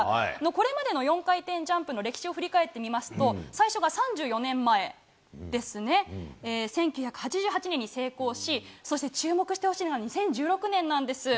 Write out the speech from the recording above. これまでの４回転ジャンプの歴史を振り返ってみますと、最初が３４年前ですね、１９８８年に成功し、そして注目してほしいのが２０１６年なんです。